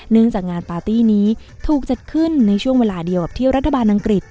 จากงานปาร์ตี้นี้ถูกจัดขึ้นในช่วงเวลาเดียวกับที่รัฐบาลอังกฤษ